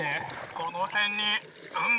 この辺に。